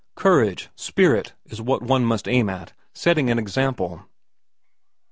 Courage, spirit, is what one must aim at, setting an example.'